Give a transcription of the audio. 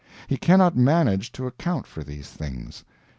He cannot manage to account for these things.